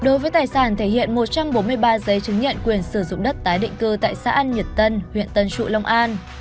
đối với tài sản thể hiện một trăm bốn mươi ba giấy chứng nhận quyền sử dụng đất tái định cư tại xã an nhật tân huyện tân trụ long an